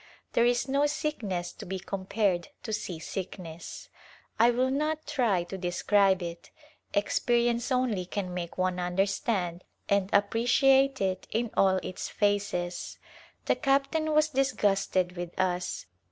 There is no sickness to be compared to seasickness. I will not try to describe it, experience only can make one understand and appreciate it in all its phases. The captain was disgusted with us.